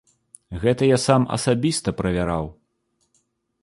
Гэта я сам асабіста правяраў.